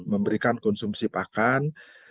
memberikan konsumsi pakan